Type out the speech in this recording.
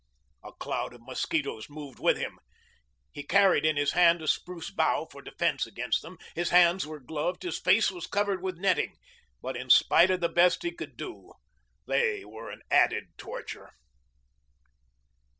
A cloud of mosquitoes moved with him. He carried in his hand a spruce bough for defense against them. His hands were gloved, his face was covered with netting. But in spite of the best he could do they were an added torture.